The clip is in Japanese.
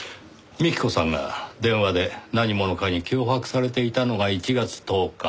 幹子さんが電話で何者かに脅迫されていたのが１月１０日。